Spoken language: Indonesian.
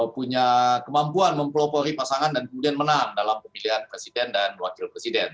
punya kemampuan mempelopori pasangan dan kemudian menang dalam pemilihan presiden dan wakil presiden